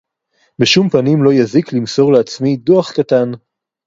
בשום פנים לא יזיק למסור לעצמי דו"ח קטן.